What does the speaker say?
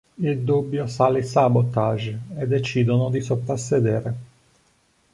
Il dubbio assale i Sabotage e decidono di soprassedere.